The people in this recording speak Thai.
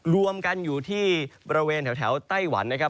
รวมกันอยู่ที่บริเวณแถวไต้หวันนะครับ